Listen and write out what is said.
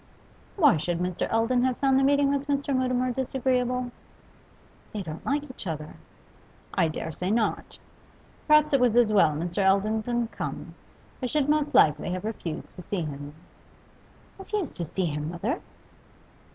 'Why should Mr. Eldon have found the meeting with Mr. Mutimer disagreeable?' 'They don't like each other.' 'I dare say not. Perhaps it was as well Mr. Eldon didn't come. I should most likely have refused to see him.' 'Refused to see him, mother?